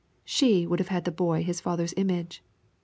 She would have had the boy his father's image.